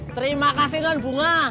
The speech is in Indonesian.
terima kasih don bunga